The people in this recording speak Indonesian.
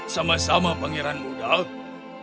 sama sama pangeran buddha